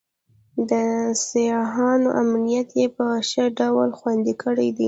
د سیاحانو امنیت یې په ښه ډول خوندي کړی دی.